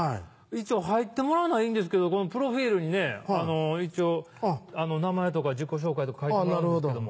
入ってもらうのはいいんですけどこのプロフィルにねあの一応名前とか自己紹介とか書いてもらうんですけども。